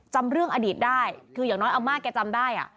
จำเรื่องอดีตได้คืออย่างน้อยอาม่าแกจำได้